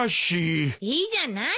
・いいじゃない。